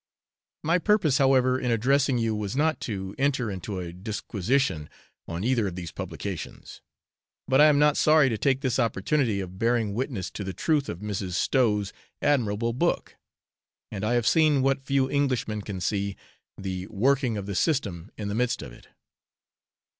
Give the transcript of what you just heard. My purpose, however, in addressing you was not to enter into a disquisition on either of these publications; but I am not sorry to take this opportunity of bearing witness to the truth of Mrs. Stowe's admirable book, and I have seen what few Englishmen can see the working of the system in the midst of it.